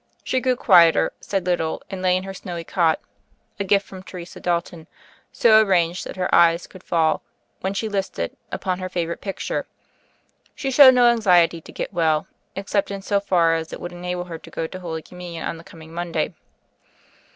She grew quieter, said little, and lay in her snowy cot — a gift from Teresa Dalton — so arranged that her eyes could fall, when she listed, upon her favorite picture. She showed no anxiety to get well, except in so far as it would enable her to go to Holy Com munion on the coming Monday.